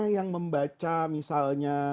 yang membaca misalnya